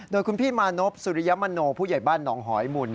โดยคุณพี่มานพสุริยมโนผู้ใหญ่บ้านหนองหอยหมุน